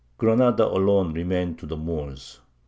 Granada alone remained to the Moors.